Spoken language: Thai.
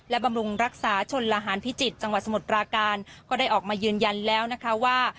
และบำรุงรักษาชนละหารพิจิตรจังหวัดสมุทรปราการก็ได้ออกมายืนยันแล้วนะคะว่า